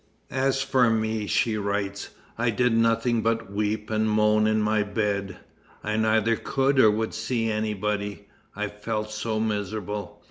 "As for me," she writes, "I did nothing but weep and moan in my bed. I neither could or would see anybody, I felt so miserable.